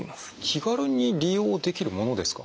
気軽に利用できるものですか？